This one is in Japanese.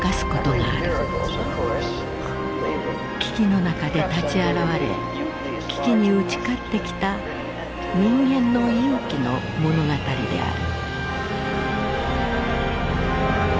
危機の中で立ち現れ危機に打ち勝ってきた人間の勇気の物語である。